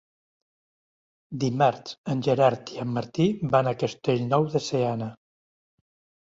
Dimarts en Gerard i en Martí van a Castellnou de Seana.